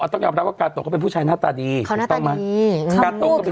กาโตะเขาก็เป็นผู้ชายหน้าตาดีเขาน่าตาดี